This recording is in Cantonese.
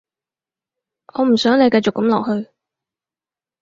我唔想你繼續噉落去